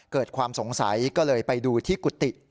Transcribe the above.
เกิดความสงสัยก็เลยไปดูที่กุฏิ